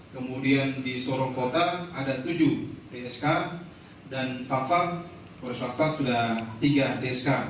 kemudian di sorong kota ada tujuh tsk dan fakfak polis fakfak sudah tiga tsk